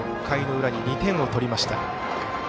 ６回の裏に２点を取りました。